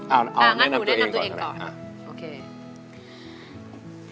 เอางั้นหนูแนะนำตัวเองก่อนโอเค